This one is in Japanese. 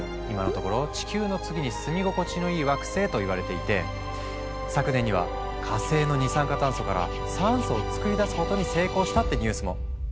今のところ「地球の次に住み心地のいい惑星」といわれていて昨年には火星の二酸化炭素から酸素を作り出すことに成功したってニュースも。